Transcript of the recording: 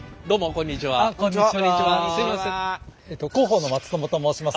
こんにちは広報の松友と申します。